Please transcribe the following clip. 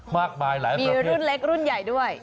มีหลุ่นเล็กหลุ่นใหญ่ด้วย